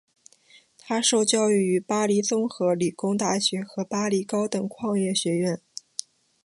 他受教育于巴黎综合理工大学和巴黎高等矿业学院。